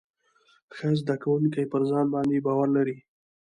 ښه زده کوونکي پر ځان باندې باور لري.